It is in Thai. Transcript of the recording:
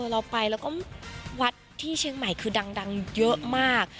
เราไปแล้วก็วัดที่เชียงใหม่คือดังเยอะมาก